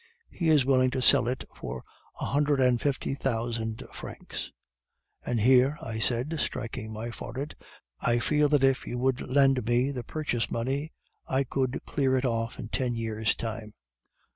He is willing to sell it for a hundred and fifty thousand francs. And here,' I said, striking my forehead, 'I feel that if you would lend me the purchase money, I could clear it off in ten years' time.